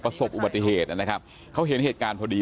ประสบอุบัติเหตุนะครับเขาเห็นเหตุการณ์พอดี